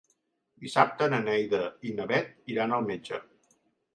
Dissabte na Neida i na Bet iran al metge.